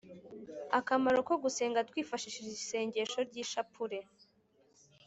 akamaro ko gusenga twifashishije isengesho ry’ishapule